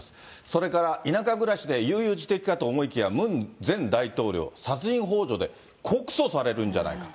それから田舎暮らしで悠々自適かと思いきや、ムン前大統領、殺人ほう助で告訴されるんじゃないか。